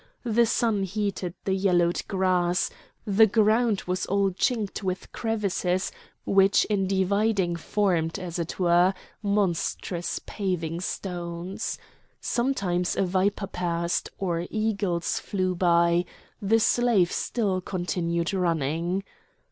The sun heated the yellowed grass; the ground was all chinked with crevices which in dividing formed, as it were, monstrous paving stones. Sometimes a viper passed, or eagles flew by; the slave still continued running.